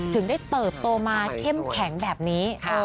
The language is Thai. ถึงได้เติบโตมาเข้มแข็งแบบนี้